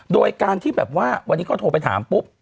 โดยการที่แบบว่าวันนี้เขาโทรไปถามปุ๊บ